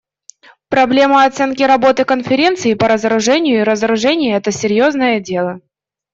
Проблема оценки работы Конференции по разоружению и разоружения − это серьезное дело.